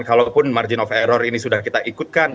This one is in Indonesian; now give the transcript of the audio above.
kalaupun margin of error ini sudah kita ikutkan